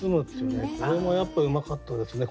これもやっぱうまかったですね。